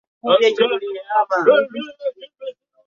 baada ya vita kati ya Tanzania na Uganda Vita ya Kagera